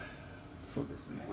そうですね。